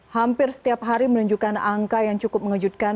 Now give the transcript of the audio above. hampir setiap hari menunjukkan angka yang cukup mengejutkan